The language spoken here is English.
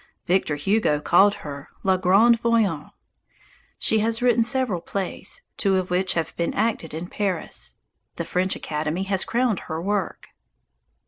Victor Hugo called her "La Grande Voyante." She has written several plays, two of which have been acted in Paris. The French Academy has crowned her work.